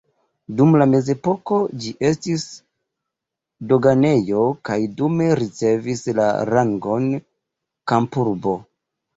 Dum la mezepoko ĝi estis doganejo kaj dume ricevis la rangon kampurbo.